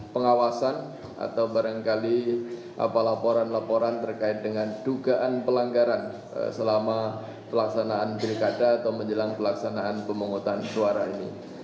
pengawasan atau barangkali laporan laporan terkait dengan dugaan pelanggaran selama pelaksanaan pilkada atau menjelang pelaksanaan pemungutan suara ini